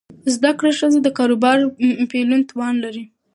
زده کړه ښځه د کاروبار پیلولو توان لري.